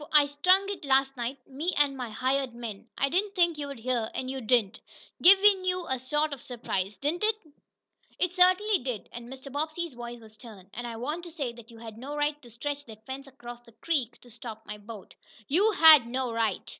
I strung it last night me and my hired men. I didn't think you'd hear, and you didn't. Give you a sort of surprise, didn't it?" "It certainly did," and Mr. Bobbsey's voice was stern. "And I want to say that you had no right to stretch that fence across the creek to stop my boat. You had no right!"